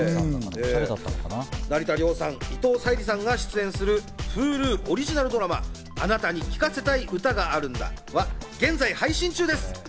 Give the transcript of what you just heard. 成田凌さん、伊藤沙莉さんが出演するＨｕｌｕオリジナルドラマ『あなたに聴かせたい歌があるんだ』は現在配信中です。